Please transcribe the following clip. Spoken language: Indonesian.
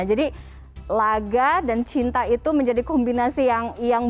jadi laga dan cinta itu menjadi kombinasi yang bagus ditangani